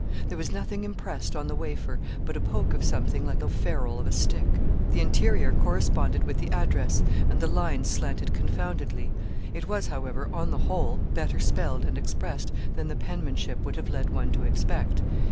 There was nothing impressed on the wafer, but a poke of something like the ferrule of a stick. The interior corresponded with the address, and the lines slanted confoundedly. It was, however, on the whole, better spelled and expressed than the penmanship would have led one to expect.